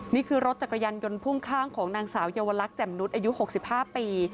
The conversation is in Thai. นี่คือรถจักรยานยนต์พ่วงข้างของนางสาวเยาวลักษณ์แจ่มนุษย์อายุ๖๕ปี